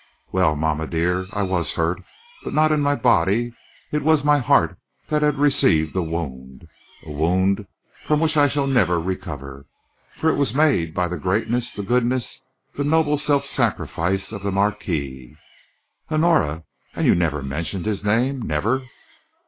Well, mamma, dear, I was hurt, but not in my body. It was my heart that had received a wound a wound from which I never shall recover, for it was made by the greatness, the goodness, the noble self sacrifice of the marquis." "Honora! And you never mentioned his name never!"